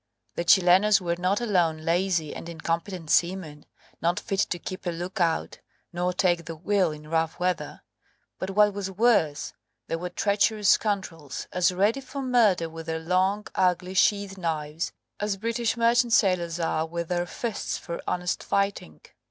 The Chilenos were not alone lazy and incompetent seamen, not fit to keep a look out, nor take the wheel in rough weather, but what was worse, they were treacherous scoundrels, as ready for murder with their long, ugly sheath knives, as British merchant sailors are with their fists for honest fighting.